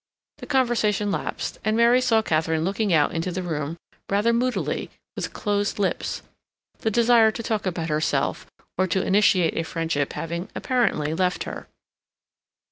The conversation lapsed, and Mary saw Katharine looking out into the room rather moodily with closed lips, the desire to talk about herself or to initiate a friendship having, apparently, left her.